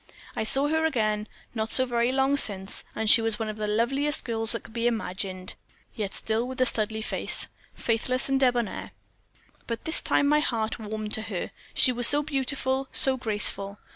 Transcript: I saw her again, not so very long since, and she was one of the loveliest girls that could be imagined, yet still with the Studleigh face 'faithless and debonair.' But this time my heart warmed to her, she was so beautiful, so graceful.